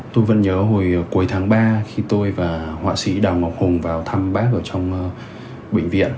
tôi vẫn nhớ hồi cuối tháng ba khi tôi và họa sĩ đào ngọc hùng vào thăm bác ở trong bệnh viện